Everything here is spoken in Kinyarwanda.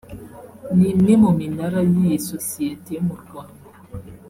n’imwe mu minara y’iyi sosiyete mu Rwanda